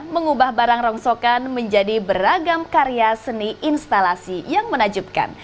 mengubah barang rongsokan menjadi beragam karya seni instalasi yang menajubkan